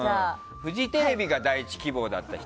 フジテレビが第１希望だった方